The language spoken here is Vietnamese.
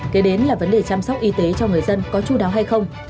kế đến là vấn đề chăm sóc y tế cho người dân có chú đáo hay không